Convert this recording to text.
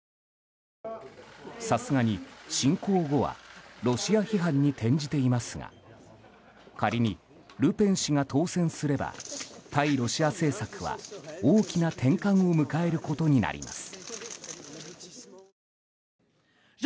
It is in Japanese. さすがに侵攻後はロシア批判に転じていますが仮にルペン氏が当選すれば対ロシア政策は大きな転換を迎えることになります。